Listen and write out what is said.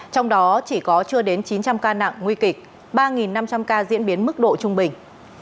trong đó chỉ có chưa đến chín trăm linh ca nặng nguy kịch ba năm trăm linh ca diễn biến mức độ trung bình